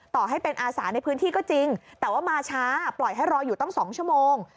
ต่อให้เป็นอาสาในพื้นที่ก็จริงแต่ว่ามาช้าปล่อยให้รออยู่ตั้ง๒ชั่วโมง